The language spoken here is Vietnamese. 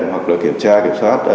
hoặc kiểm tra kiểm soát